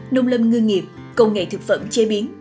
nông lâm ngư nghiệp công nghệ thực phẩm chế biến